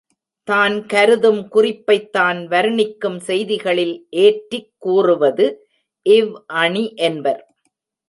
தான் கருதும் குறிப்பைத் தான் வருணிக்கும் செய்திகளில் ஏற்றிக் கூறுவது இவ் அணி என்பர்.